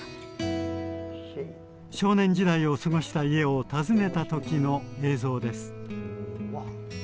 少年時代を過ごした家を訪ねた時の映像です。